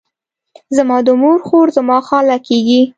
زما د مور خور، زما خاله کیږي.